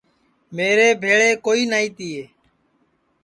میرے ٻھیݪے کوئی نائی تیئے